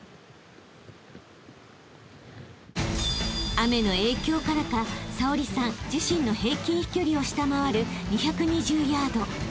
［雨の影響からか早織さん自身の平均飛距離を下回る２２０ヤード］